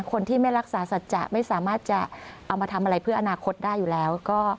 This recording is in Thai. คนที่ไม่รักษาสัจจะไม่สามารถจะเอามาทำอะไรเพื่ออนาคตได้อยู่แล้วก็